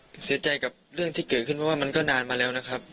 ผมเสียใจกับเรื่องที่เกิดขึ้นเพราะว่ามันก็นานมาแล้วนะครับ